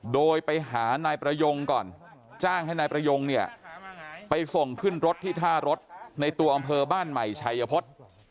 โดยไปหานายประยงก่อนจ้างให้นายประยงเนี่ยไปส่งขึ้นรถที่ท่ารถในตัวอำเภอบ้านใหม่ชัยพฤษ